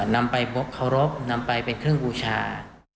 นำไปบกเคารพนำไปเป็นเครื่องบูชา